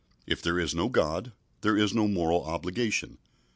If there is no God, there is no moral obligation.